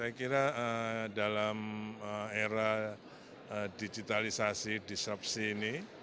saya kira dalam era digitalisasi disrupsi ini